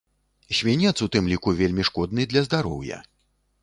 Свінец у тым ліку вельмі шкодны для здароўя.